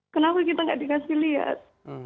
kenapa kita tidak dikasih lihat